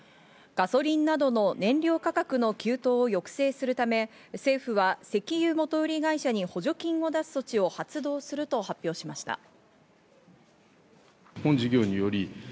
ガソリンなどの燃料価格の急騰を抑制するため、政府は石油元売り会社に補助金を出す措置を発動すると発表しました。